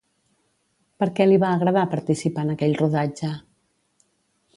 Per què li va agradar participar en aquell rodatge?